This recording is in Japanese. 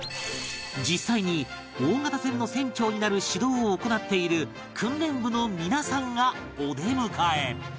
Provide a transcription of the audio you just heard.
実際に大型船の船長になる指導を行っている訓練部の皆さんがお出迎え